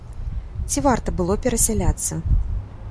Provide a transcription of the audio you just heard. Ці варта было перасяляцца?